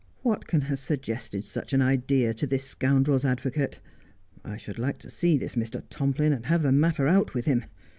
What can have suggested such an idea to this scoundrel's advocate ? I should like to see this Mr. Tomplin and have the matter out with him.